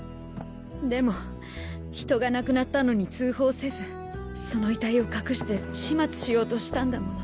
でも人が亡くなったのに通報せずその遺体を隠して始末しようとしたんだもの。